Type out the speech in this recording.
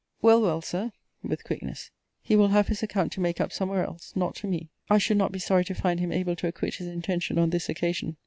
Well, well, Sir, [with quickness,] he will have his account to make up somewhere else; not to me. I should not be sorry to find him able to acquit his intention on this occasion.